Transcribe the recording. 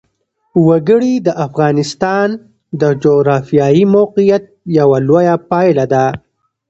وګړي د افغانستان د جغرافیایي موقیعت یوه لویه پایله ده.